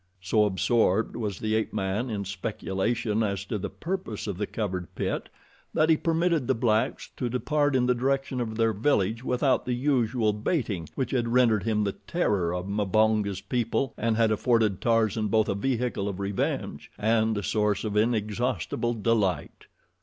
So absorbed was the ape man in speculation as to the purpose of the covered pit that he permitted the blacks to depart in the direction of their village without the usual baiting which had rendered him the terror of Mbonga's people and had afforded Tarzan both a vehicle of revenge and a source of inexhaustible delight.